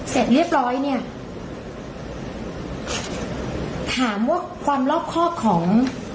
เสร็จเรียบร้อยเนี่ยถามว่าความรอบครอบของ